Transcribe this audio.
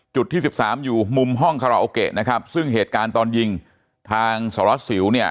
จุดที่๑๓อยู่มุมห้องคาราโอเคซึ่งเหตุการณ์ตอนยิงทางสล็อตสิว